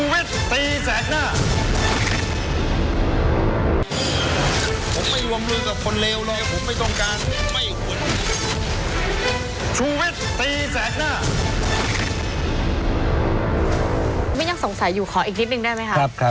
ยังสงสัยอยู่ขออีกนิดนึงได้ไหมคะ